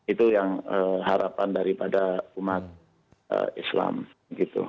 itu yang harapan daripada umat islam gitu